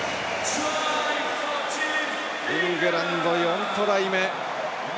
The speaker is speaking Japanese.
イングランド、４トライ目。